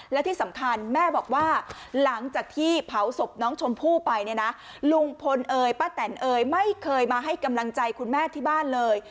และที่สำคัญแม่บอกว่าหลังจากที่เผาศพน้องชมพู่ไปเนี่ยนะลุงพลเอ่ยป้าแตนเอยไม่เคยมาให้กำลังใจคุณแม่ที่บ้านเลย